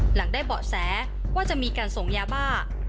หลังได้เบาะแสว่าจะมีการส่งยาบ้า